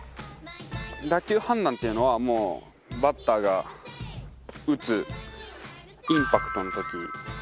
打球判断っていうのはバッターが打つインパクトの時に合わせてます。